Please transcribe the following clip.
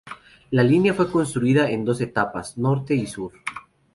La línea fue construida en dos etapas, norte y sur.